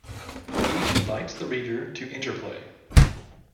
He invites the reader to interplay.